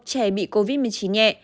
trẻ bị covid một mươi chín nhẹ